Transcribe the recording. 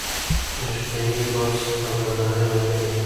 برېښنایي برس خبرداری ورکوي.